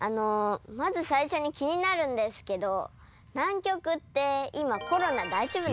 まず最初に気になるんですけど南極って今コロナ大丈夫なんですか？